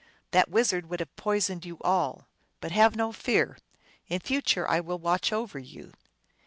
That wizard would have poisoned you all. But have no fear. In future I will watch over you."